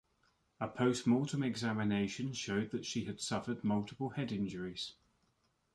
A post mortem examination showed that she had suffered multiple head injuries.